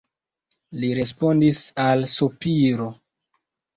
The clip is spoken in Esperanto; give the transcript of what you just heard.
Li respondis al sopiro.